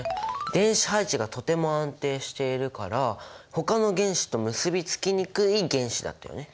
電子配置がとても安定しているからほかの原子と結び付きにくい原子だったよね。